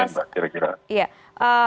sekian mbak kira kira